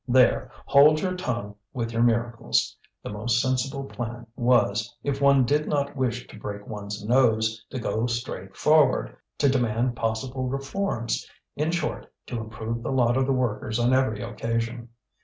There, hold your tongue, with your miracles! The most sensible plan was, if one did not wish to break one's nose, to go straight forward, to demand possible reforms, in short, to improve the lot of the workers on every occasion.